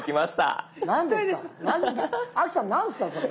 亜紀さん何ですかこれ？